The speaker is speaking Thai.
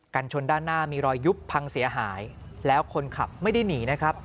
ชนด้านหน้ามีรอยยุบพังเสียหายแล้วคนขับไม่ได้หนีนะครับ